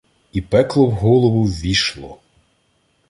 І пекло в голову ввійшло.